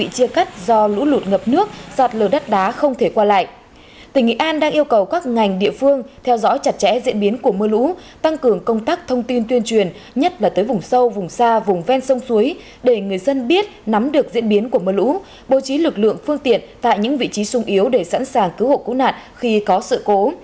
tỉnh nghệ an đang yêu cầu các ngành địa phương theo dõi chặt chẽ diễn biến của mưa lũ tăng cường công tác thông tin tuyên truyền nhất là tới vùng sâu vùng xa vùng ven sông suối để người dân biết nắm được diễn biến của mưa lũ bố trí lực lượng phương tiện tại những vị trí sung yếu để sẵn sàng cứu hộ cứu nạn khi có sự cố